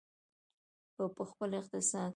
او په خپل اقتصاد.